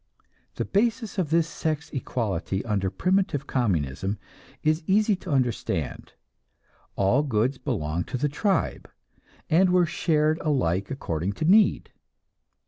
The basis of this sex equality under primitive communism is easy to understand. All goods belonged to the tribe, and were shared alike according to need.